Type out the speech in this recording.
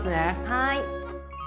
はい！